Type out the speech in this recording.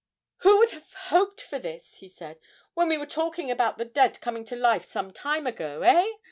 'Who would have hoped for this,' he said, 'when we were talking about the dead coming to life some time ago, eh?